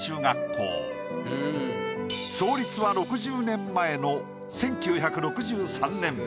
創立は６０年前の１９６３年。